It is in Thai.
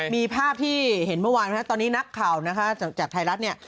มีภาพที่เห็นเมื่อวานตอนนี้นักข่าวจากไทยรัฐเนี่ย